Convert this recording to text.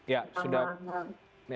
ya sudah selamat malam